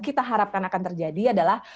kita harapkan akan terjadi adalah